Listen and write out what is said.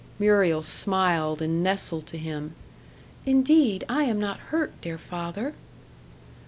Muriel smiled, and nestled to him. "Indeed, I am not hurt, dear father."